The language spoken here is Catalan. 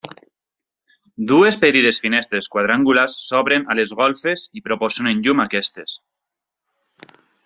Dues petites finestres quadrangulars s'obren a les golfes i proporcionen llum a aquestes.